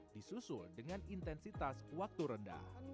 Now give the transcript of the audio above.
disusul dengan intensitas waktu rendah